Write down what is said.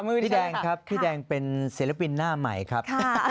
พี่แดงครับพี่แดงเป็นศิลปินหน้าใหม่ครับ